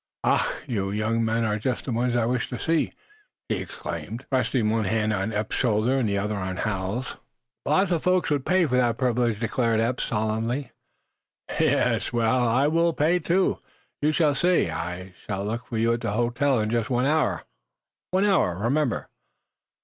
"Ach! You young men are just the ones I wish to see," he exclaimed, resting one hand on Eph's shoulder, the other on Hal's. "Lots of folks will pay for that privilege," declared Eph, solemnly. "Yes? Well, I will pay, too you shall see. I shall look for you at the hotel, in just one hour. One hour remember."